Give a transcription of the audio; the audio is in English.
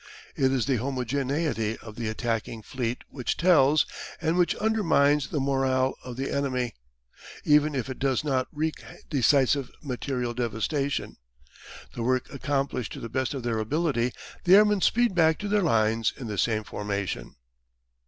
It is the homogeneity of the attacking fleet which tells, and which undermines the moral of the enemy, even if it does not wreak decisive material devastation. The work accomplished to the best of their ability, the airmen speed back to their lines in the same formation.